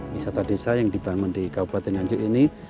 wisata desa yang dibangun di kabupaten nganjuk ini